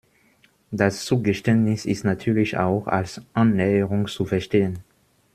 Das Zugeständnis ist natürlich auch als Annäherung zu verstehen.